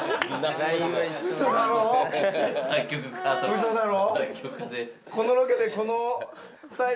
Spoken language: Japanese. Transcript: ウソだろ？